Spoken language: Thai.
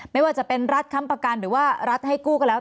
ไม่ว่าจะเป็นรัฐค้ำประกันหรือว่ารัฐให้กู้ก็แล้ว